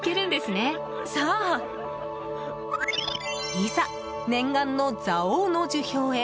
いざ、念願の蔵王の樹氷へ！